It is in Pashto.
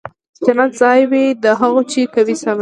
جنت ځای وي د هغو چي کوي صبر